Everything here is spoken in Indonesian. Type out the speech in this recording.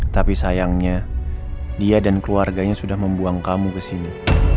tapi sayangnya dia dan keluarganya sudah membuang kamu kesini